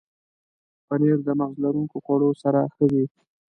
پنېر د مغز لرونکو خوړو سره ښه وي.